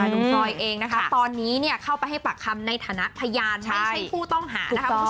นุ่มฟรอยเองตอนนี้เข้าไปให้ปากคำในฐานะพยานไม่ใช่ผู้ต้องหา